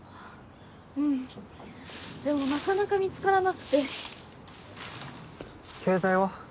うんでもなかなか見つからなくて携帯は？